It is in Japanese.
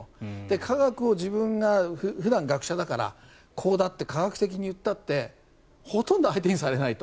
科学を自分が普段、学者だからこうだって科学的に言ったってほとんど相手にされないと。